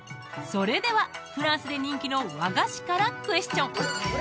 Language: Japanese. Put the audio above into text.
それではフランスで人気の和菓子からクエスチョン